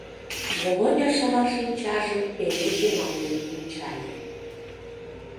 Володя шола шинчажым пеле кумалтен ончале.